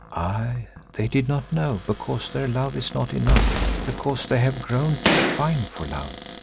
"Aye, they did not know because their love is not enough, because they have grown too fine for love.